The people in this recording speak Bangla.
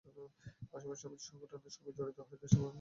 পাশাপাশি সামাজিক সংগঠনের সঙ্গে জড়িত হয়ে দেশের প্রতি দায়িত্ব পালন করা।